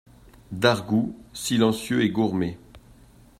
D'Argout, silencieux et gourmé.